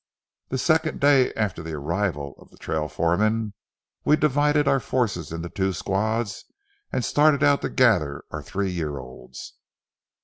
The second day after the arrival of the trail foreman, we divided our forces into two squads and started out to gather our three year olds.